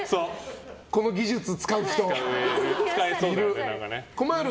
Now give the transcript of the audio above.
この技術使う人いる。